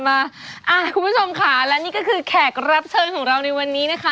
คุณผู้ชมค่ะและนี่ก็คือแขกรับเชิญของเราในวันนี้นะคะ